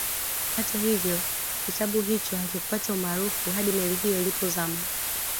Hata hivyo kitabu hicho hakikupata umaarufu hadi meli hiyo ilipozama